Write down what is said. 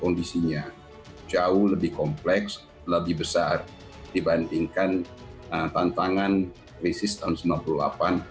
kondisinya jauh lebih kompleks lebih besar dibandingkan tantangan krisis tahun seribu sembilan ratus sembilan puluh delapan